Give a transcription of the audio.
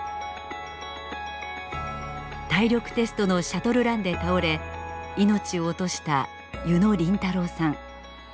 体力テストのシャトルランで倒れいのちを落とした柚野凜太郎さん。